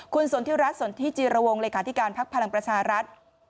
คุณสนที่รัฐสนที่จีรวงรายการที่การพักพลังประชารัฐ